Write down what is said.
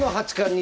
に